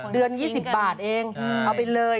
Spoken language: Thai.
เดือน๒๐บาทเองเอาไปเลย